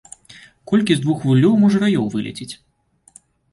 Колькі з двух вуллёў можа раёў вылецець?